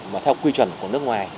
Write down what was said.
mà theo quy chuẩn của nước ngoài